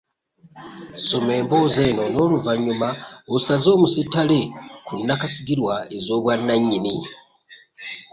Soma emboozi eno n’oluvannyuma osaze omusittale ku nnakasigirwa ez’obwannannyini.